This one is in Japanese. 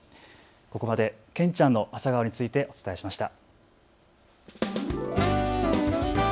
ここまでけんちゃんの朝顔についてお伝えしました。